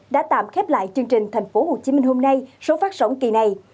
đã tạm khép lại chương trình thành phố hồ chí minh hôm nay số phát sóng kỳ này